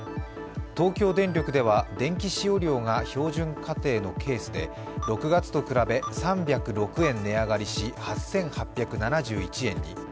東京電力では電気使用量が標準家庭のケースで６月と比べ３０６円値上がりし、８８７１円に。